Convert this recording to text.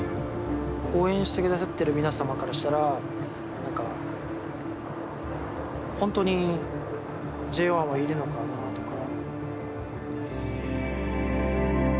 応援してくださってる皆様からしたら何か本当にＪＯ１はいるのかなとか。